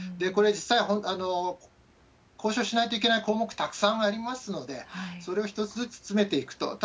これ、実際交渉しないといけない項目、たくさんありますので、それを一つずつ詰めていくと。